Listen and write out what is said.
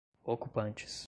ocupantes